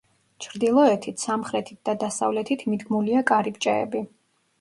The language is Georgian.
ჩრდილოეთით, სამხრეთით და დასავლეთით მიდგმულია კარიბჭეები.